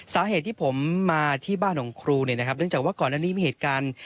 สาเหตุที่ผมมาที่บ้านของครูเนี่ยนะครับเนื่องจากว่าก่อนอันนี้มีเหตุการณ์